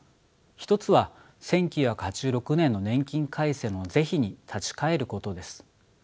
一つは１９８６年の年金改正の是非に立ち返ることです。